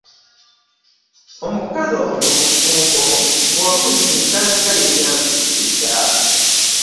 Omukazi ono omufumbo nga oluusi nsanga yeeyambudde dda.